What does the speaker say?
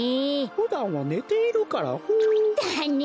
ふだんはねているからホー。だね。